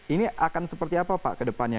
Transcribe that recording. ini akan seperti apa pak ke depannya